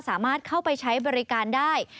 สามารถเข้าไปใช้บริการได้